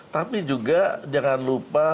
tapi juga jangan lupa